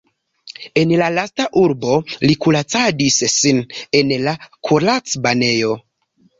En la lasta urbo li kuracadis sin en la kuracbanejo.